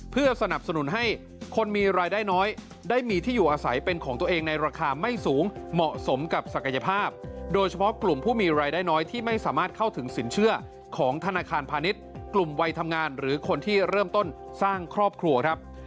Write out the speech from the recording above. เพื่อสนับสนุนให้คนมีรายได้น้อยได้มีที่อยู่อาศัยเป็นของตัวเองในราคาไม่สูงเหมาะสมกับศักยภาพโดยเฉพาะกลุ่มผู้มีรายได้น้อยที่ไม่สามารถเข้าถึงสินเชื่อของธนาคารพาณิชย์กลุ่มวัยทำงานหรือคนที่เริ่มต้นสร้างครอบครัวครับ